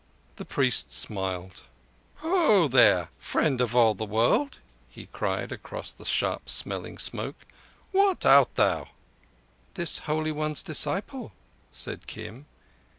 The priest smiled. "Ho, there, Friend of all the World," he cried across the sharp smelling smoke, "what art thou?" "This Holy One's disciple," said Kim.